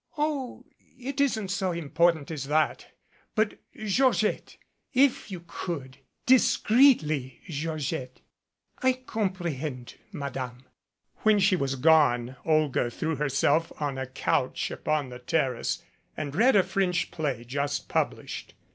"Oh, it isn't so important as that but, Georgette, if you could discreetly, Georgette " "I comprehend, Madame." When she was gone Olga threw herself on a couch upon the terrace and read a French play just published.